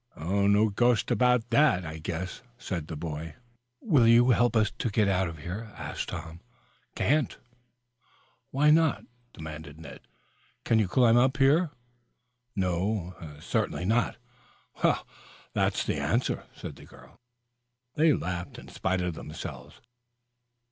"No ghost about that, I guess," said the boy. "Will you help us to get out of here?" asked Tom. "Can't." "Why not?" demanded Ned. "Can you climb up here?" "No, certainly not." "Well, that's the answer." They laughed in spite of themselves.